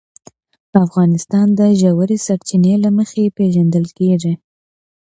افغانستان د ژورې سرچینې له مخې پېژندل کېږي.